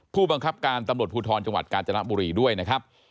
ผู้บังคับการตำรวจภูทรจังหวัดกาญจนบุรีด้วยนะครับ